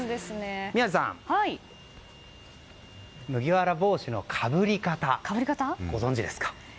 宮司さん、麦わら帽子のかぶり方ご存じですか？